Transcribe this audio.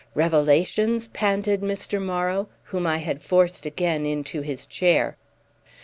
"Revelations?" panted Mr. Morrow, whom I had forced again into his chair.